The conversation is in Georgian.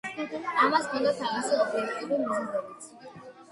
ამას ჰქონდა თავისი ობიექტური მიზეზებიც.